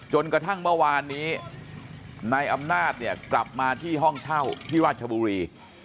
จนกระทั่งเมื่อวานนี้นายอำนาจเนี่ยกลับมาที่ห้องเช่าที่ราชบุรี